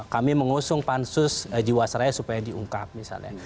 kami mengusung pansus jiwa seraya supaya diungkap misalnya